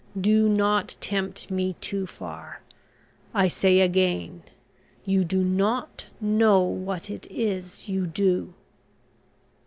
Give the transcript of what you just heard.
Do not tempt me too far. I say again you do not know what it is you do."